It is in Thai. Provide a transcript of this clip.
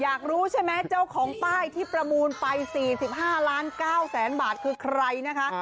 อยากรู้ใช่ไหมเจ้าของป้ายที่ประมูลไป๔๕ล้าน๙แสนบาทคือใครนะคะ